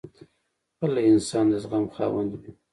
غلی انسان، د زغم خاوند وي.